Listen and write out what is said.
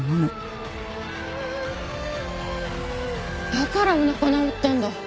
だからおなか治ったんだ。